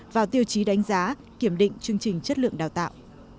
vào tiêu chí đánh giá kiểm định chương trình chất lượng đào tạo